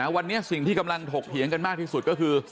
วันนี้สิ่งที่กำลังถกเถียงกันมากที่สุดก็คือ